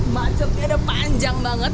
macetnya udah panjang banget